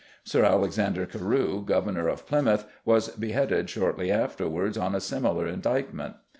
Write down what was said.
Sir Alexander Carew, Governor of Plymouth, was beheaded shortly afterwards on a similar indictment.